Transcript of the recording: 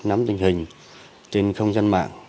nắm tình hình trên không gian mạng